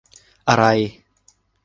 อะไร !